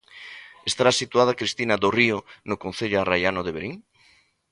Estará situada, Cristina Dorrío, no concello arraiano de Verín.